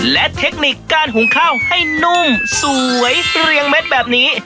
และเทคนิคการหุงข้าวให้นุ่มสวยเรียงเม็ดแบบนี้